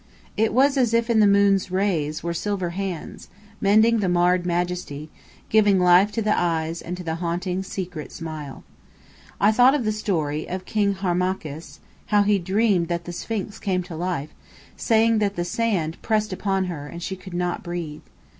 It was as if in the moon's rays were silver hands, mending the marred majesty, giving life to the eyes and to the haunting, secret smile. I thought of the story of King Harmachis: how he dreamed that the Sphinx came to him, saying that the sand pressed upon her, and she could not breathe.